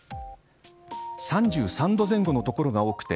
３３度前後の所が多くて